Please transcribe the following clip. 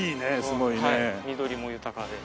はい緑も豊かで。